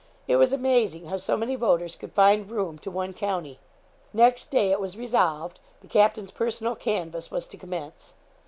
It was amazing how so many voters could find room to one county. Next day, it was resolved, the captain's personal canvass was to commence.